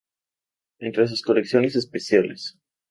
Entre sus colecciones especiales,